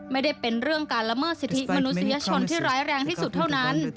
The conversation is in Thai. ไม่ได้เป็นเรื่องการละเมิดสิทธิมนุษยชนที่ร้ายแรงที่สุดเท่านั้น